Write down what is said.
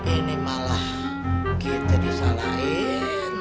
ini malah kita disalahin